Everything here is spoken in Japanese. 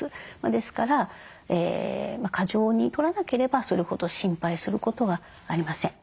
ですから過剰にとらなければそれほど心配することはありません。